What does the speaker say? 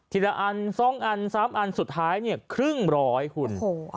ทีละอันสองอันสามอันสุดท้ายเนี่ยครึ่งร้อยหุ่น